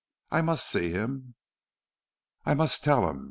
I must see him. I must tell him.